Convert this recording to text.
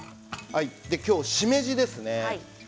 今日、しめじですね。